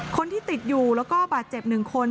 คนที่ติดอยู่แล้วก็บาดเจ็บ๑คน